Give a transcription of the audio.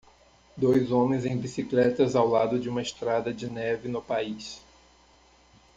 dois homens em bicicletas ao lado de uma estrada de neve no país